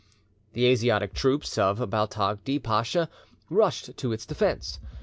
The Asiatic troops of Baltadgi Pacha rushed to its defence.